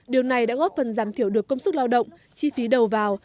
điều này đã góp phần giảm thiểu được công sức lao động chi phí đầu vào